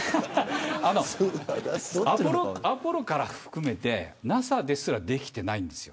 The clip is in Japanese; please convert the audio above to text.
アポロから含めてＮＡＳＡですらできていないんです。